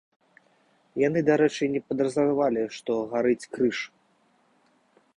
Яны, дарэчы, і не падазравалі, што гарыць крыж.